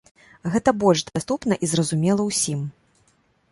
Гэта больш даступна і зразумела ўсім.